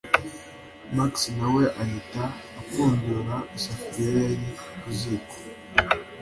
max nawe ahita apfundura isafuriya yari kuziko